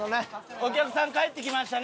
お客さん帰ってきましたね。